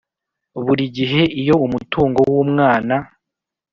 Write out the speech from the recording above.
Buri gihe iyo umutungo w umwana